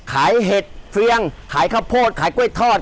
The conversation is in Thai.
เห็ดเฟียงขายข้าวโพดขายกล้วยทอด